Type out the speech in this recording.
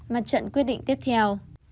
mặt trận quyết định tiếp theo